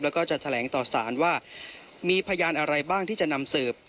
แล้วก็จะแถลงต่อสารว่ามีพยานอะไรบ้างที่จะนำเสิร์ฟ